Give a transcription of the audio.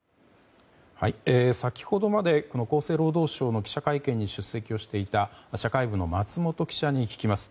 先ほどまで厚生労働省の記者会見に出席していた社会部の松本記者に聞きます。